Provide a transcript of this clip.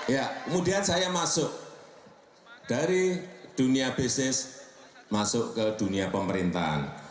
ya kemudian saya masuk dari dunia bisnis masuk ke dunia pemerintahan